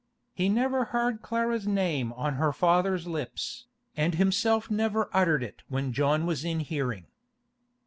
He never heard Clara's name on her father's lips, and himself never uttered it when John was in hearing.